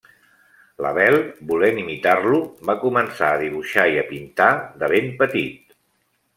L'Abel, volent imitar-lo, va començar a dibuixar i a pintar de ben petit.